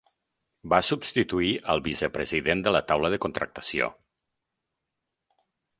Va substituir al Vicepresident de la Taula de Contractació.